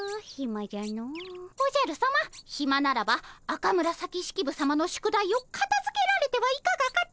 おじゃるさまひまならば赤紫式部さまの宿題をかたづけられてはいかがかと。